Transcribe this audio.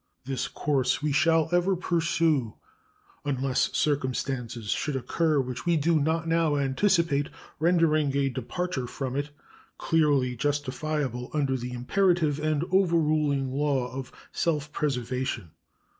This course we shall ever pursue, unless circumstances should occur which we do not now anticipate, rendering a departure from it clearly justifiable under the imperative and overruling law of self preservation.